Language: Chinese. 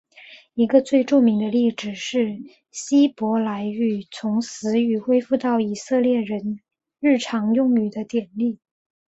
一个最著名的例子是希伯来语从死语恢复到以色列人日常用语的案例。